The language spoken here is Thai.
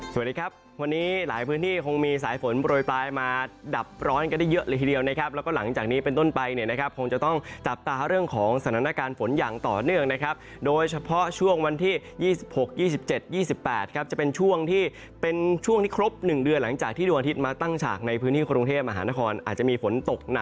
สวัสดีครับวันนี้หลายพื้นที่คงมีสายฝนโบรยปลายมาดับร้อนก็ได้เยอะเลยทีเดียวนะครับแล้วก็หลังจากนี้เป็นต้นไปเนี่ยนะครับคงจะต้องจับตาเรื่องของสถานการณ์ฝนอย่างต่อเนื่องนะครับโดยเฉพาะช่วงวันที่ยี่สิบหกยี่สิบเจ็ดยี่สิบแปดครับจะเป็นช่วงที่เป็นช่วงที่ครบหนึ่งเดือนหลังจากที่ดวงอาทิตย์มาตั้